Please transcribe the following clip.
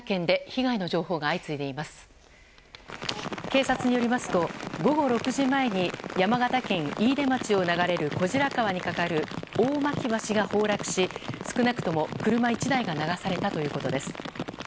警察によりますと、午後６時前に山形県飯豊町を流れる小白川に架かる大巻橋が崩落し少なくとも車１台が流されたということです。